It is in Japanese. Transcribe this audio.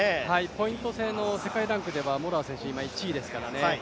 ポイント制の世界ランクでは、モラア選手、１位ですからね。